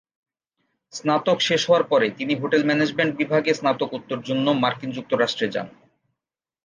স্নাতক শেষ হওয়ার পরে তিনি হোটেল ম্যানেজমেন্ট বিভাগে স্নাতকোত্তর জন্য মার্কিন যুক্তরাষ্ট্রে যান।